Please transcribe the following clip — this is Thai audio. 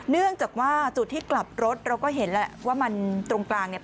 เนื่องจากว่าจุดที่กลับรถเราก็เห็นแหละว่ามันตรงกลางเนี่ย